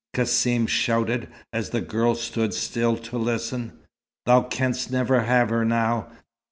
Cassim shouted, as the girl stood still to listen. "Thou canst never have her now.